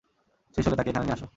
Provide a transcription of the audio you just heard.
শেষ হলে, তাকে এখানে নিয়ে এসো।